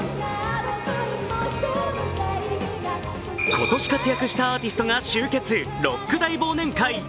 今年活躍したアーティストが集結、ロック大忘年会。